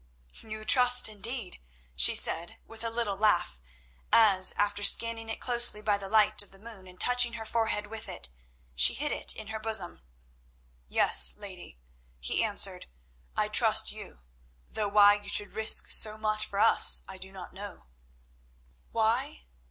"You trust indeed," she said with a little laugh, as, after scanning it closely by the light of the moon and touching her forehead with it, she hid it in her bosom. "Yes, lady," he answered, "I trust you, though why you should risk so much for us I do not know." "Why?